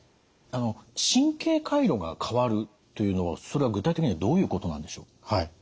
あの神経回路が変わるというのはそれは具体的にはどういうことなんでしょう？